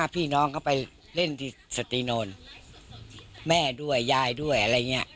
พี่น้องเขาไปเล่นที่สติโนนแม่ด้วยยายด้วยอะไรอย่างนี้